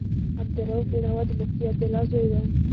عبدالرؤف بېنوا د مفتي عبدالله زوی و.